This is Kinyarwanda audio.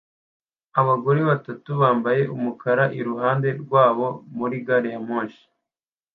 Abagore batatu bambaye umukara iruhande rwabo muri gari ya moshi